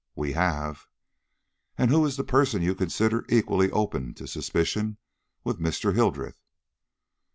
"We have." "And who is the person you consider equally open to suspicion with Mr. Hildreth?"